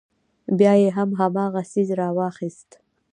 بيا يې هم هماغه څيز راواخيست.